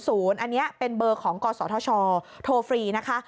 อันนี้เป็นเบอร์ของกศธชโทรฟรีนะคะ